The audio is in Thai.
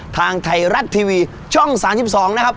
ทางไทยรัฐทีวีช่อง๓๒นะครับ